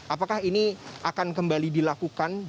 apakah ini akan kembali dilakukan